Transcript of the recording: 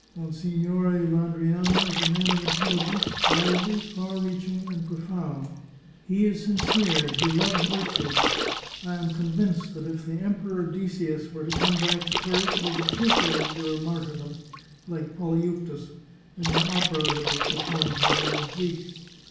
Monsignore Landriani is a man of intelligence, lively, far reaching, and profound. He is sincere, he loves 142 The Chartreuse of Parma virtue. I am convinced that if the Emperor Decius were to come back to earth he would cheerfully endure martyr dom, like Polyeuctus, in the opera that was performed here last week.